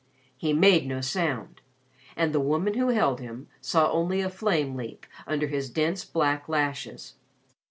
He made no sound, and the woman who held him saw only a flame leap under his dense black lashes.